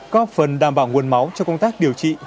có phần đảm bảo nguồn máu cho công tác điều trị